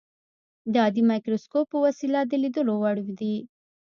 د عادي مایکروسکوپ په وسیله د لیدلو وړ دي.